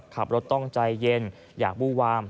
ขับรถต้องใจเย็นอยากบู้วาม